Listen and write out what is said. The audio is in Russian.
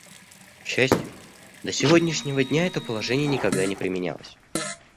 К счастью, до сегодняшнего дня это положение никогда не применялось.